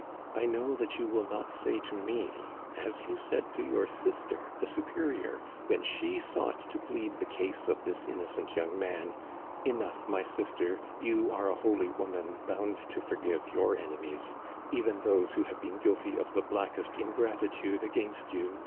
I know that you will not say to me, as you said to your sister, the superior, when she sought to plead the cause of this in nocent young man: 'Enough, my sister. You are a holy woman, bound to forgive your enemies, even those who have been guilty of the blackest ingratitude against you.